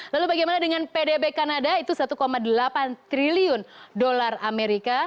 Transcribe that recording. lalu bagaimana dengan pdb kanada itu satu delapan triliun dolar amerika